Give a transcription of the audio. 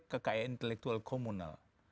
kekayaan intelektual komunal